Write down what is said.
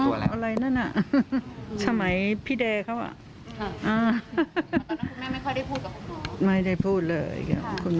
แม่ตอบฉันเลยว่าแม่ไม่รักทนายเดชาแล้วลองฟังดูนะคะ